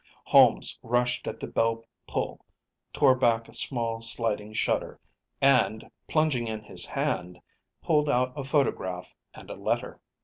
Holmes rushed at the bell pull, tore back a small sliding shutter, and, plunging in his hand, pulled out a photograph and a letter.